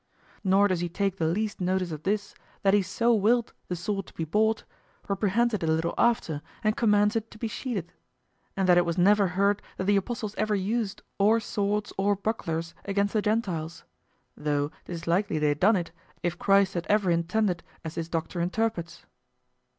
Nor does he take the least notice of this, that he so willed the sword to be bought, reprehends it a little after and commands it to be sheathed; and that it was never heard that the apostles ever used or swords or bucklers against the Gentiles, though 'tis likely they had done it, if Christ had ever intended, as this doctor interprets.